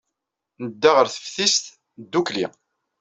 Nedda ɣer teftist ddukkli.